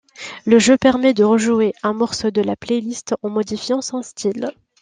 Le jeu permet de rejouer un morceau de la playlist en modifiant son style.